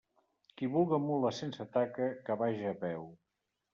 Qui vulga mula sense taca, que vaja a peu.